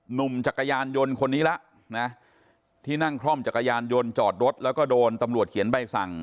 หนุ่มจักรยานยนต์คนนี้แล้วนะที่นั่งคล่อมจักรยานยนต์จอดรถแล้วก็โดนตำรวจเขียนใบสั่ง